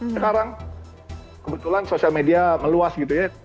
sekarang kebetulan sosial media mengatakan